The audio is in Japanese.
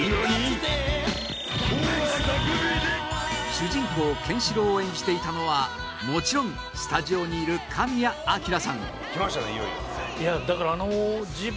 主人公、ケンシロウを演じていたのはもちろんスタジオにいる、神谷明さん